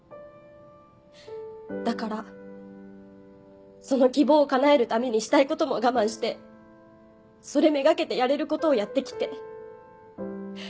だからその希望を叶えるためにしたいことも我慢してそれ目がけてやれることをやってきて。